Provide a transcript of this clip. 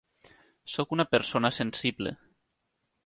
Sóc una persona sensible.